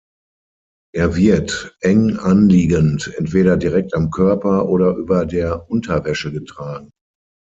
Er wird eng anliegend, entweder direkt am Körper oder über der Unterwäsche getragen.